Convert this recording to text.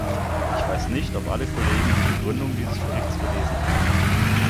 Ich weiß nicht, ob alle Kollegen die Begründung dieses Berichts gelesen haben.